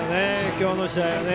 今日の試合はね。